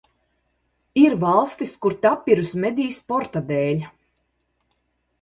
Ir valstis, kur tapirus medī sporta dēļ.